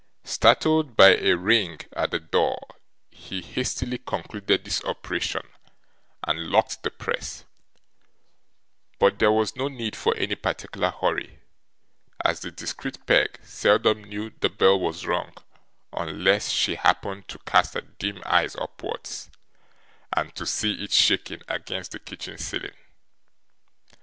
Startled by a ring at the door, he hastily concluded this operation, and locked the press; but there was no need for any particular hurry, as the discreet Peg seldom knew the bell was rung unless she happened to cast her dim eyes upwards, and to see it shaking against the kitchen ceiling.